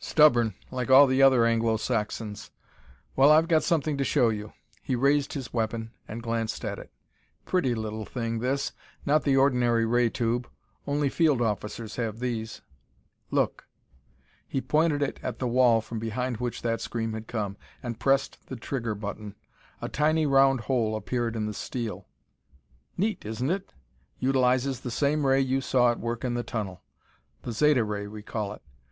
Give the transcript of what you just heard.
"Stubborn, like all the other Anglo Saxons. Well, I've got something to show you." He raised his weapon and glanced at it. "Pretty little thing, this. Not the ordinary ray tube. Only field officers have these. Look." He pointed it at the wall from behind which that scream had come and pressed the trigger button. A tiny round hole appeared in the steel. "Neat, isn't it? Utilizes the same ray you saw at work in the tunnel. The Zeta ray we call it.